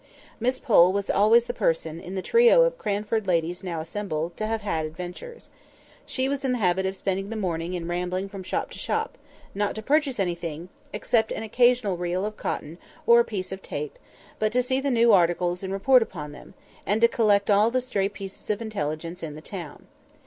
Miss Pole was always the person, in the trio of Cranford ladies now assembled, to have had adventures. She was in the habit of spending the morning in rambling from shop to shop, not to purchase anything (except an occasional reel of cotton or a piece of tape), but to see the new articles and report upon them, and to collect all the stray pieces of intelligence in the town.